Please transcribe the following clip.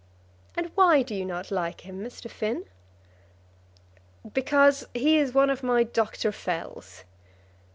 "And why do you not like him, Mr. Finn?" "Because he is one of my Dr. Fells."